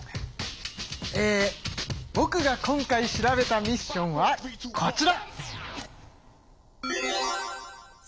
えぼくが今回調べたミッションはこちら！